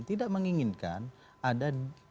tidak menginginkan ada